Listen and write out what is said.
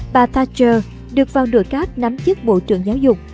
bà thatcher được vào nửa cát nắm chức bộ trưởng giáo dục